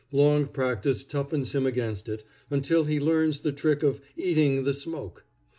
Long practice toughens him against it, until he learns the trick of "eating the smoke."